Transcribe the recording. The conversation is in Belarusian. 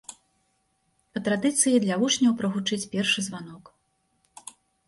Па традыцыі, для вучняў прагучыць першы званок.